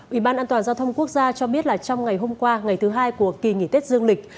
ủy ban an toàn giao thông quốc gia cho biết là trong ngày hôm qua ngày thứ hai của kỳ nghỉ tết dương lịch